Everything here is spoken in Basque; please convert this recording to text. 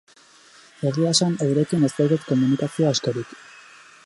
Egia esan, eurekin ez daukat komunikazio askorik.